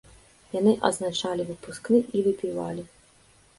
Яны адзначалі выпускны і выпівалі.